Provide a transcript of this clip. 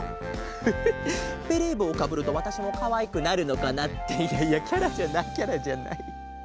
フフベレーぼうをかぶるとわたしもかわいくなるのかな。っていやいやキャラじゃないキャラじゃない。